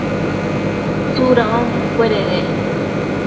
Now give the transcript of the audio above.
¿tsuda onquecuededec?